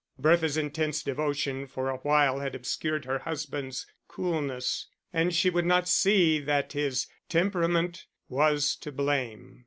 Bertha's intense devotion for a while had obscured her husband's coolness, and she would not see that his temperament was to blame.